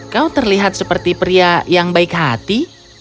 kau terlihat seperti pria yang baik hati